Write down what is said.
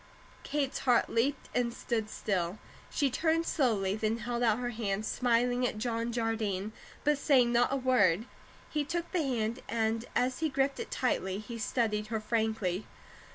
Kate's heart leaped and stood still. She turned slowly, then held out her hand, smiling at John Jardine, but saying not a word. He took her hand, and as he gripped it tightly he studied her frankly.